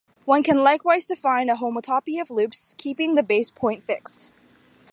One can likewise define a homotopy of loops keeping the base point fixed.